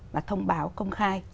và thông báo công khai